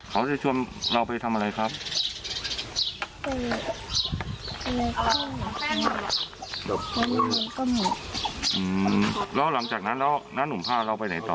เขาว่าจะพาไปไหน